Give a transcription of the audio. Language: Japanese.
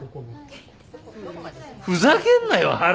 ふざけんなよ原田。